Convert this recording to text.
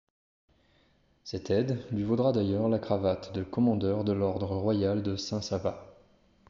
Cette aide lui vaudra d'ailleurs la cravate de Commandeur de l'Ordre royal de Saint-Sava.